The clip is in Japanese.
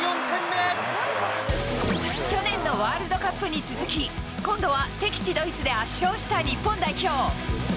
去年のワールドカップに続き、今度は敵地、ドイツで圧勝した日本代表。